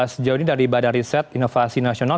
sejauh ini dari badan riset inovasi nasional